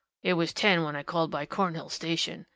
"It was ten when I called by Cornhill station.